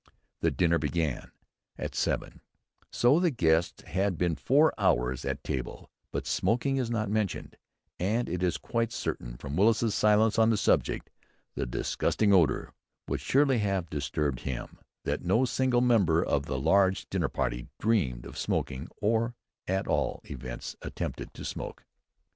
The dinner began at seven, so the guests had been four hours at table; but smoking is not mentioned, and it is quite certain from Willis's silence on the subject the "disgusting odour" would surely have disturbed him that no single member of the large dinner party dreamed of smoking, or, at all events, attempted to smoke.